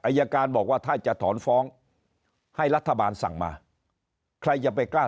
อายการบอกว่าถ้าจะถอนฟ้องให้รัฐบาลสั่งมาใครจะไปกล้า